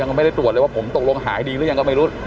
ยังไม่ได้ตรวจเลยว่าผมตกลงหายดีหรือยังก็ไม่รู้